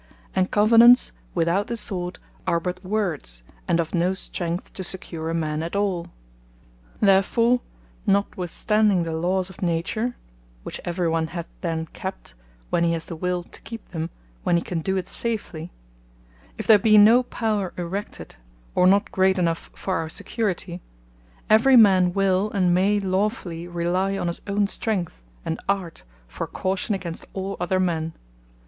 And Covenants, without the Sword, are but Words, and of no strength to secure a man at all. Therefore notwithstanding the Lawes of Nature, (which every one hath then kept, when he has the will to keep them, when he can do it safely,) if there be no Power erected, or not great enough for our security; every man will and may lawfully rely on his own strength and art, for caution against all other men.